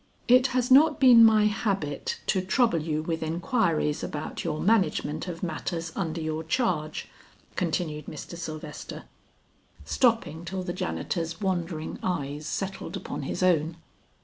"It has not been my habit to trouble you with inquiries about your management of matters under your charge," continued Mr. Sylvester, stopping till the janitor's wandering eyes settled upon his own.